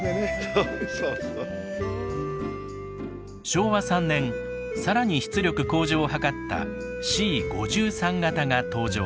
昭和３年更に出力向上を図ったＣ５３形が登場。